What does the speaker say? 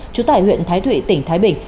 trú tải huyện thái thụy tỉnh thái bình